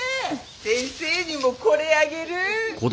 先生にもこれあげる。